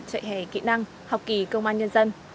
chạy hè kỹ năng học kỳ công an nhân dân